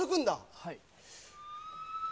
はい。